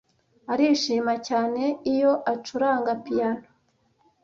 Arishima cyane iyo acuranga piyano.